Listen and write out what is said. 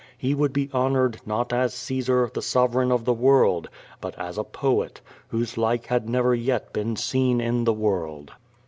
He would be hon ored, not as Caesar, the sovereign of the world, but as a poet, whose like had never yet been seen in the world.